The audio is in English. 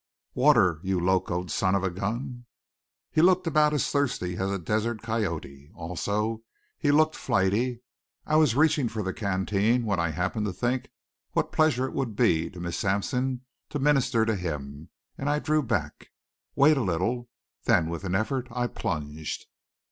"Water, you locoed son of a gun!" He looked about as thirsty as a desert coyote; also, he looked flighty. I was reaching for the canteen when I happened to think what pleasure it would be to Miss Sampson to minister to him, and I drew back. "Wait a little." Then with an effort I plunged.